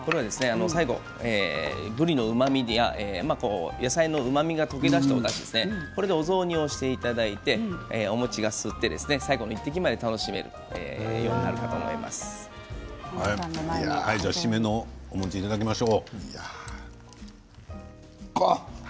最後ぶりのうまみや野菜のうまみが溶け出しただしがお雑煮をしていただいてお餅が吸って最後の１滴まで楽しめるように締めのお餅をいただきましょう。